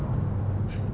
はい。